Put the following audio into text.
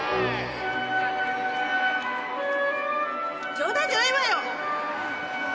冗談じゃないわよ！